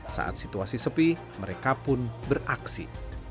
saat situasi sepi mereka pun beraksi